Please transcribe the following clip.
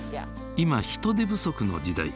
今人手不足の時代。